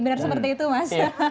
benar seperti itu mas